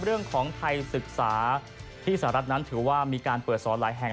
เรื่องของไทยศึกษาที่สหรัฐนั้นถือว่ามีการเปิดสอนหลายแห่ง